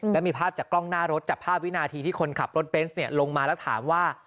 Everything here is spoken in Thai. แล้วมีภาพจากกล้องหน้ารถจับภาพวินาทีที่คนขับรถเบนส์ลงมาแล้วถามว่า